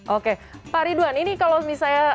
oke pak ridwan ini kalau misalnya